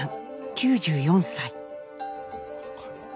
９４歳。